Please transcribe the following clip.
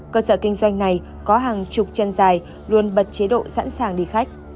cơ sở kinh doanh này có hàng chục chân dài luôn bật chế độ sẵn sàng đi khách